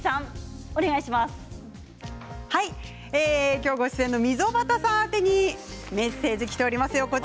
今日ご出演の溝端さん宛てにメッセージがきています。